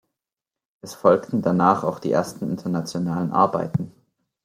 Es folgten danach auch die ersten internationalen Arbeiten.